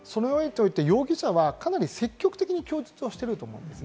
容疑者はかなり積極的に供述をしていると思います。